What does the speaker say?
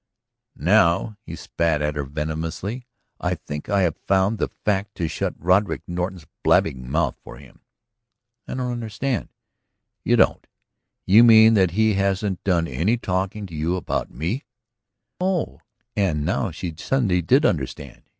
"Now," he spat at her venomously, "I think I have found the fact to shut Roderick Norton's blabbing mouth for him!" "I don't understand ..." "You don't? You mean that he hasn't done any talking to you about me?" "Oh!" And now suddenly she did understand.